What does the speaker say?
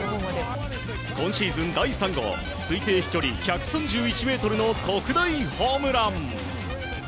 今シーズン第３号推定飛距離１３１ｍの特大ホームラン！